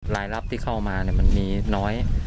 รายรับที่เข้ามามันมีน้อย